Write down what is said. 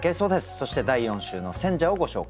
そして第４週の選者をご紹介いたしましょう。